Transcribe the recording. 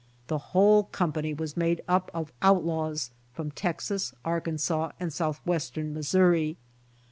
The whole company was made up of outlaws from Texas, Arkansas and Southwestern Missouri.